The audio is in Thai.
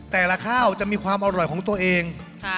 แต่ละข้าวจะมีความอร่อยของตัวเอง